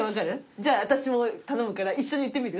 じゃあ私も頼むから一緒に言ってみる？